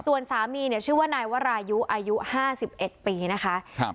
ส่วนสามีเนี่ยชื่อว่านายวรายุอายุห้าสิบเอ็ดปีนะคะครับ